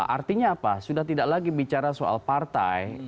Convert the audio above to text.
artinya apa sudah tidak lagi bicara soal partai